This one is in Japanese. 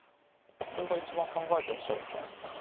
それが一番考えてらっしゃることじゃないですかね。